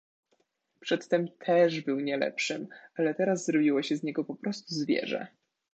"Przedtem też był nie lepszym, ale teraz zrobiło się z niego poprostu zwierzę."